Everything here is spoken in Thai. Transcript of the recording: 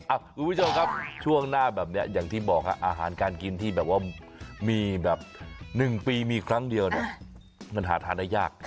คุณผู้ชมครับช่วงหน้าแบบนี้อย่างที่บอกอาหารการกินที่แบบว่ามีแบบ๑ปีมีครั้งเดียวเนี่ยมันหาทานได้ยาก